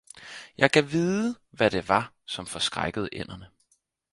Jeg gad vide hvad det var, som forskrækkede ænderne!